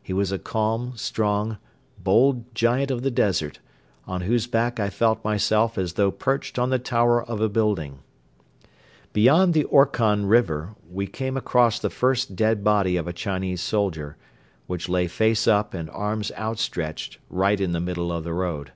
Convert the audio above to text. He was a calm, strong, bold giant of the desert, on whose back I felt myself as though perched on the tower of a building. Beyond the Orkhon River we came across the first dead body of a Chinese soldier, which lay face up and arms outstretched right in the middle of the road.